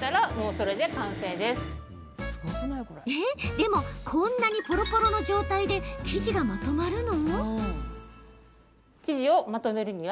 でも、こんなにぽろぽろの状態で生地がまとまるの？